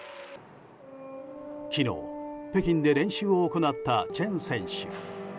昨日、北京で練習を行ったチェン選手。